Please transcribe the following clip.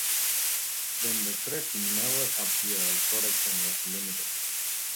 When the threat never appeared production was limited.